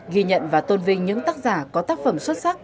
ghi nhận và tôn vinh những tác giả có tác phẩm xuất sắc